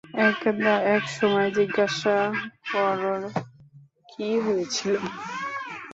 একদা এক সময় জিজ্ঞাসা কর কী হয়েছিল?